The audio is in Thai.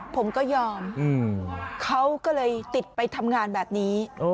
ผมก็ยอมเขาก็เลยติดไปทำงานแบบนี้